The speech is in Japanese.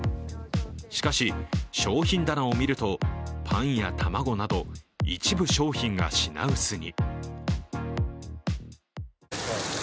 しかし、商品棚を見ると、パンや卵など一部商品が品薄に。